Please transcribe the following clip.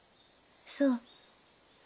そう。